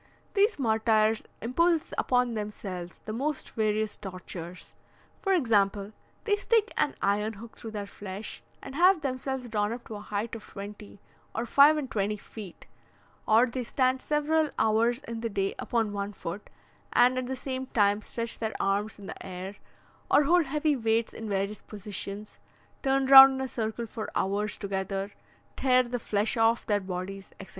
These martyrs impose upon themselves the most various tortures: for example, they stick an iron hook through their flesh, and have themselves drawn up to a height of twenty or five and twenty feet; or they stand several hours in the day upon one foot, and at the same time stretch their arms in the air, or hold heavy weights in various positions, turn round in a circle for hours together, tear the flesh off their bodies, etc.